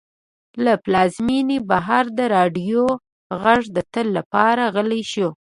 له پلازمېنې بهر د راډیو غږ د تل لپاره غلی شو.